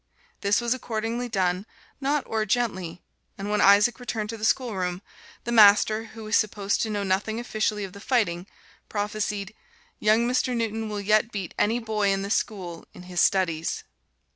This was accordingly done, not o'er gently, and when Isaac returned to the schoolroom, the master, who was supposed to know nothing officially of the fighting, prophesied, "Young Mr. Newton will yet beat any boy in this school in his studies."